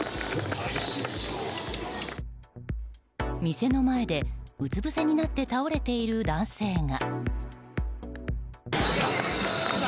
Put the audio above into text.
店の前で、うつぶせになって倒れている男性が。